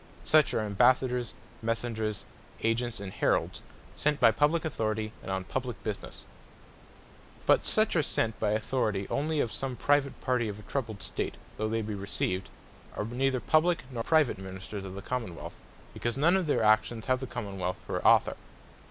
Such are Ambassadors, Messengers, Agents, and Heralds, sent by publique Authoritie, and on publique Businesse. But such as are sent by Authoritie only of some private partie of a troubled State, though they be received, are neither Publique, nor Private Ministers of the Common wealth; because none of their actions have the Common wealth for Author.